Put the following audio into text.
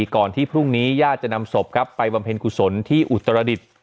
ก่อนที่พรุ่งนี้ญาติจะนำศพครับไปบำเพ็ญกุศลที่อุตรดิษฐ์